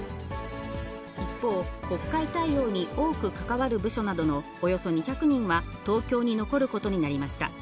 一方、国会対応に多く関わる部署などのおよそ２００人は東京に残ることになりました。